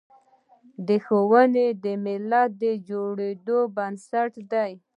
ښوونه د ملت د جوړیدو بنسټ دی.